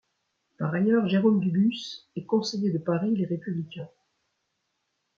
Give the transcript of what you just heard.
Par ailleurs, Jérôme Dubus est conseiller de Paris Les Républicains.